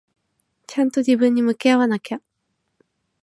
ちゃんと自分に向き合わなきゃ。